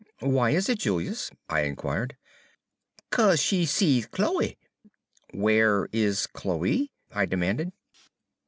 "Why is it, Julius?" I inquired. "'Ca'se she sees Chloe." "Where is Chloe?" I demanded.